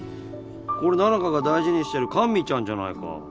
これ七香が大事にしてるかんみちゃんじゃないか。